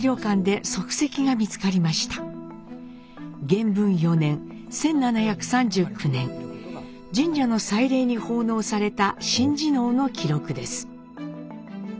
元文４年１７３９年神社の祭礼に奉納された神事能の記録です。